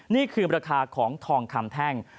นี่คือราคาของทองคำแท่ง